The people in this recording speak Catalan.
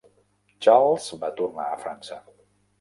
Charles va tornar a França.